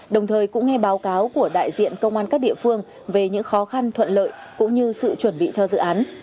đồng thời cũng nghe báo cáo của đại diện công an các địa phương về những khó khăn thuận lợi cũng như sự chuẩn bị cho dự án